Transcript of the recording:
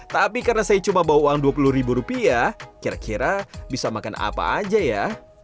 tapi karena saya cuma bawa uang dua puluh ribu rupiah kira kira bisa makan apa aja ya